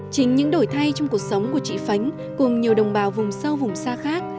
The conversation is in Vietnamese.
chính những đổi thay trong cuộc sống của chị phánh cùng nhiều đồng bào vùng sâu vùng xa khác